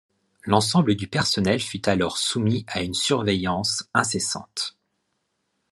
L'ensemble du personnel fut alors soumis à une surveillance incessante.